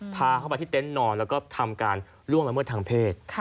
พาเข้าไปที่เต็นต์นอนแล้วก็ทำการล่วงละเมิดทางเพศ